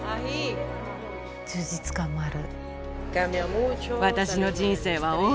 充実感もある。